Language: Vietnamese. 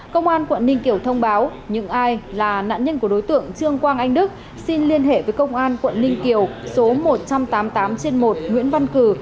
công an quận ninh kiều thông báo những ai là nạn nhân của đối tượng trương quang anh đức xin liên hệ với công an quận ninh kiều số một trăm tám mươi tám trên một nguyễn văn cử